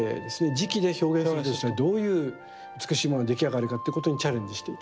磁器で表現するとしたらどういう美しいものに出来上がるかということにチャレンジしていた。